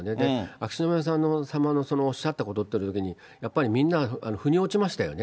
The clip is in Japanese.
秋篠宮さまのおっしゃったことっていうのは、やっぱりみんなが腑に落ちましたよね。